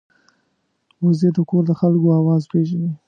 وزې د کور د خلکو آواز پېژني